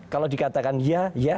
kalau dikatakan ya ya